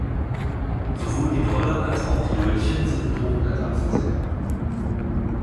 Sowohl die Dolde als auch die Döldchen sind mit Hochblättern versehen.